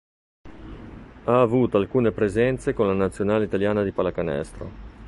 Ha avuto alcune presenze con la nazionale italiana di pallacanestro.